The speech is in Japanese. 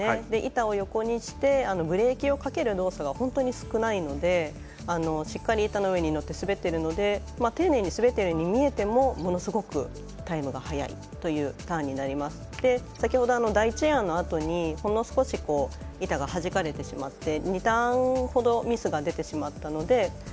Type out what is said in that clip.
板を横にしてブレーキをかける動作が本当に少ないのでしっかり板の上に乗って滑っているので丁寧に滑っているように見えてもものすごく、タイムが速いというターンになって先ほど第１エアのあとにほんの少し板がはじかれてしまって２ターンほどミスが出てしまったので。